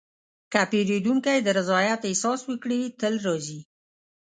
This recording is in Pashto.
که پیرودونکی د رضایت احساس وکړي، تل راځي.